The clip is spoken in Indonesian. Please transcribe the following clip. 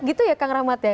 gitu ya kang rahmat ya